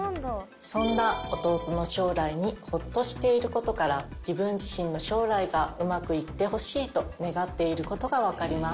そんな弟の将来にほっとしていることから自分自身の将来がうまくいってほしいと願っていることが分かります。